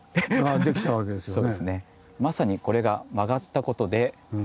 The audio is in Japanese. できたわけですよね。